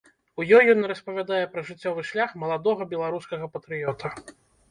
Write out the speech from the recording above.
У ёй ён распавядае пра жыццёвы шлях маладога беларускага патрыёта.